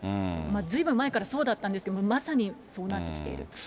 ずいぶん前からそうだったんですけれども、まさにそうなってきている。